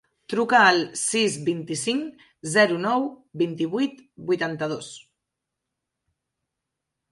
Truca al sis, vint-i-cinc, zero, nou, vint-i-vuit, vuitanta-dos.